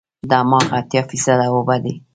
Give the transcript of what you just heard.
دماغ اتیا فیصده اوبه دي.